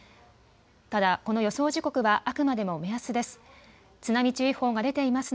ただこの予想時刻はあくまでも目安です。